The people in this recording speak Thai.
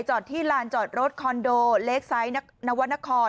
ที่ลานจอดรถคอนโดเล็กไซต์นวรรณคร